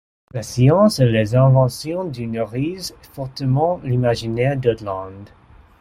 La Science et les inventions du nourrissent fortement l'imaginaire d'Ödland.